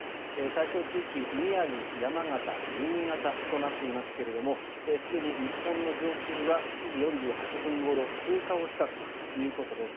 対象地域は宮城、山形、新潟となっていますがすでに日本の上空は７時４８分ごろ通過をしたということです。